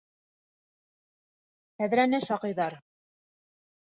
Тәҙрәне шаҡыйҙар!